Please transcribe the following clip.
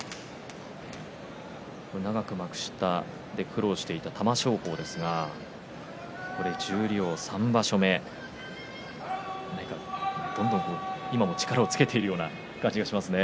長く幕下で苦労していた玉正鳳ですが十両３場所目、何かどんどん今も力をつけているような感じがしますね。